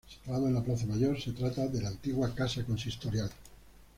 Situado en la plaza Mayor, se trata de la antigua casa consistorial.